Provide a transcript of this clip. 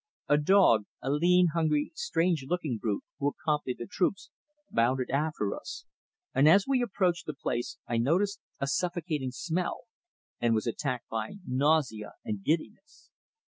A dog a lean, hungry, strange looking brute, who accompanied the troops bounded after us, and as we approached the place I noticed a suffocating smell, and was attacked by nausea and giddiness.